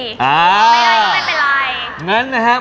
ไม่ได้ก็ไม่เป็นไร